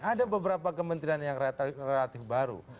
ada beberapa kementerian yang relatif baru